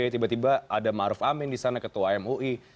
tiba tiba ada maruf amin di sana ketua mui